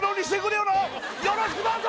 よろしくどうぞ！